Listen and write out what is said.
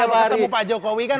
karena kalau ketemu pak jokowi kan